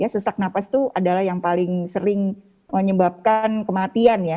sesak nafas itu adalah yang paling sering menyebabkan kematian ya